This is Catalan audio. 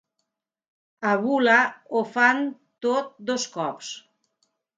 A Bula ho fan tot dos cops.